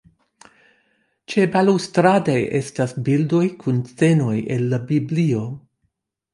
Ĉebalustrade estas bildoj kun scenoj el la Biblio.